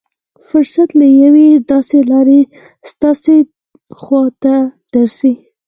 فرصت له يوې داسې لارې ستاسې خوا ته درځي.